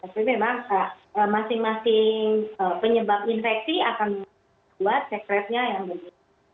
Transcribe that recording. tapi memang masing masing penyebab infeksi akan buat sekretnya yang lebih